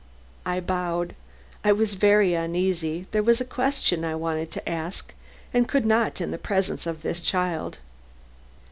I bowed; I was very uneasy; there was a question I wanted to ask and could not in the presence of this child.